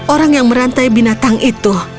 orang yang merantai binatang itu